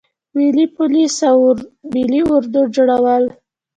د ملي پولیسو او ملي اردو جوړول.